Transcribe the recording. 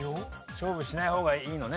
勝負しない方がいいのね？